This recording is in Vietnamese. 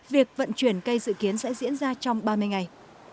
việc vận chuyển cây dự kiến sẽ diễn ra trong ba mươi ngày